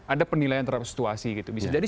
ada penilaian terhadap situasi gitu bisa jadi